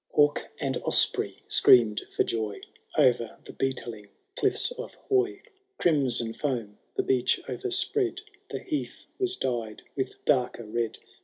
VI. tons. Hawk and osprey screamed for joj 0*er the beetling cliffb of Hoy, Crimson foam the beach overspread. The heath was dyed with darker red.